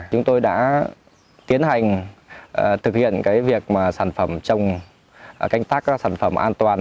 chúng tôi đã tiến hành thực hiện việc canh tác sản phẩm an toàn